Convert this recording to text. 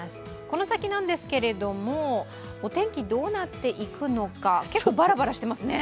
この先なんですけれどもお天気どうなっていくのか、結構、バラバラしてますね。